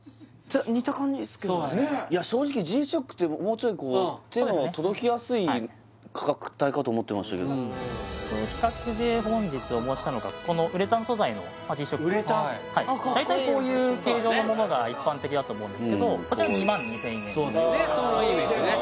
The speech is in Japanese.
似た感じっすけどねいや正直Ｇ−ＳＨＯＣＫってもうちょいこう手の届きやすい価格帯かと思ってましたけど比較で本日お持ちしたのがこのウレタン素材のＧ−ＳＨＯＣＫはい大体こういう形状のものが一般的だと思うんですけどこちら２万２０００円そうだよね